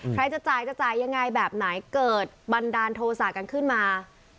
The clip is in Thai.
ใครจะจ่ายจะจ่ายยังไงแบบไหนเกิดบันดาลโทษะกันขึ้นมา